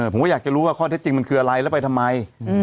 ผมก็อยากจะรู้ว่าข้อเท็จจริงมันคืออะไรแล้วไปทำไม